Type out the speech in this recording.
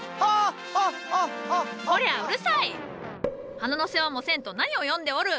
花の世話もせんと何を読んでおる！